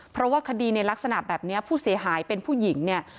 เพราะว่าคดีในลักษณะแบบนี้ผู้เสียหายเป็นผู้หญิงเนี่ย